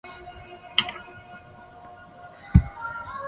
云贵腺药珍珠菜是报春花科珍珠菜属腺药珍珠菜的变种。